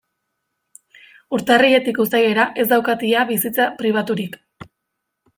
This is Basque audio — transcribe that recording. Urtarriletik uztailera ez daukat ia bizitza pribaturik.